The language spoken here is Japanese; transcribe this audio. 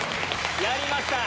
やりました。